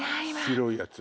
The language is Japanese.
白いやつ。